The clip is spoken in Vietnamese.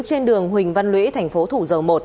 trên đường huỳnh văn lũy tp thủ dầu một